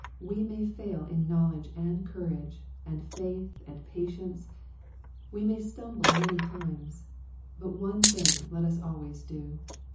We may fail in knowledge and courage, and faith, and patience. We may stumble many times. But one thing let us always do.